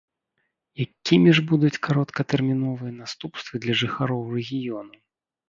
Якімі ж будуць кароткатэрміновыя наступствы для жыхароў рэгіёну?